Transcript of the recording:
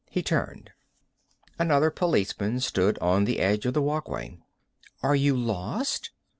He turned. Another policeman stood on the edge of the walkway. "Are you lost?"